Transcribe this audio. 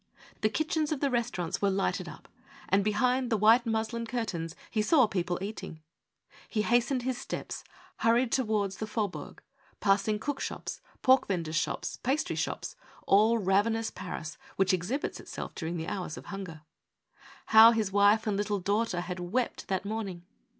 The kitchens of the restaurants were lighted up and, behind the white muslin curtains, he saw people eating. He hastened his steps, hurried towards the fau 328 OUT OF WORK. bourg, passing cook sliops, pork venders' shops, pastry shops, all ravenous Paris, which exhibits itself during the hours of hunger. How his wife and little daughter had wept that morn ing!